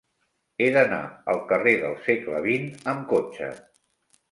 He d'anar al carrer del Segle XX amb cotxe.